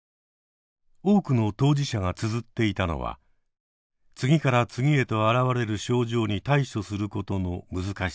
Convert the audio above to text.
多くの当事者がつづっていたのは次から次へとあらわれる症状に対処することの難しさでした。